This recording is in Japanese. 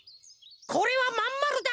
これはまんまるだ！